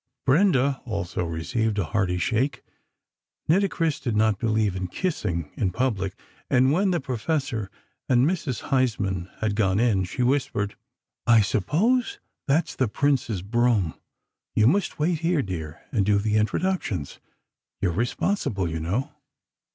Brenda also received a hearty "shake" Nitocris did not believe in kissing in public and when the Professor and Mrs Huysman had gone in, she whispered: "I suppose that's the Prince's brougham. You must wait here, dear, and do the introductions. You're responsible, you know."